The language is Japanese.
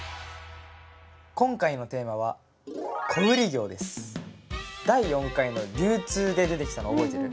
今回のテーマは第４回の流通で出てきたのを覚えてる？